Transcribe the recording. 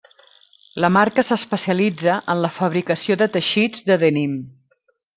La marca s’especialitza en la fabricació de teixits de denim.